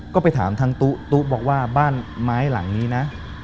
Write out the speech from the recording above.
ก็ไปถามทางตู้ตุ๊บอกว่าบ้านไม้หลังนี้นะ